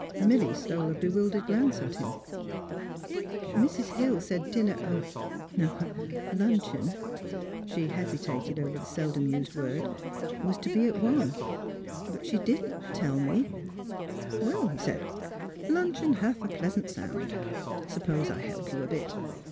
Milly stole a bewildered glance at him. " Mrs. Hill said dinner — no, luncheon,'* — ^^she hesitated over the seldom used word —'' was to be at one. But she didn't tell me "" Well," he said, ^' luncheon hath a pleasant sound. Suppose I help you a bit.